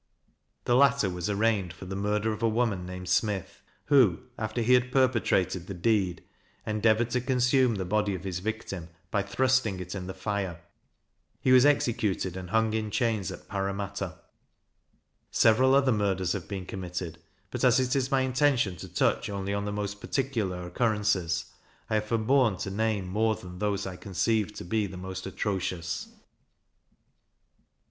The latter was arraigned for the murder of a woman named Smith, who, after he had perpetrated the deed, endeavoured to consume the body of his victim, by thrusting it in the fire. He was executed, and hung in chains at Parramatta. Several other murders have been committed; but as it is my intention to touch only on the most particular occurrences, I have forborne to name more than those I conceived to be the most atrocious.